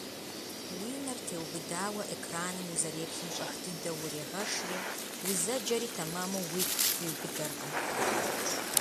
Уи нэр теубыдауэ экраным узэреплъым щӀэх дыдэу урегъэшри, узэджэри тэмэму уигу пхуиубыдэркъым.